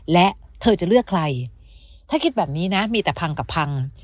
และเธอจะเลือกใครถ้าคิดแบบนี้นะมีแต่พังกับพัง